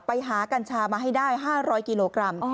หากัญชามาให้ได้๕๐๐กิโลกรัม